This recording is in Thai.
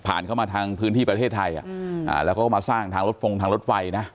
เข้ามาทางพื้นที่ประเทศไทยแล้วเขาก็มาสร้างทางรถฟงทางรถไฟนะ